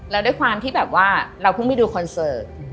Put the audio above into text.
แล้วด้วยความที่แบบว่าเราเพิ่งไปดูคอนเสิร์ต